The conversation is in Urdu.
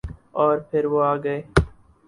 اورپھر وہ آگئے۔